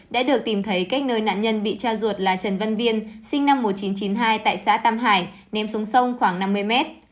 đã được tìm thấy cách nơi nạn nhân bị cha ruột là trần văn viên sinh năm một nghìn chín trăm chín mươi hai tại xã tam hải ném xuống sông khoảng năm mươi mét